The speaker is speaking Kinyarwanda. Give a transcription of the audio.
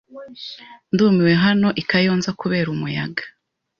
Ndumiwe hano i Kayonza kubera umuyaga